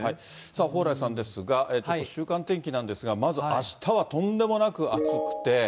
さあ、蓬莱さんですが、ちょっと週間天気なんですが、まず、あしたはとんでもなく暑くて。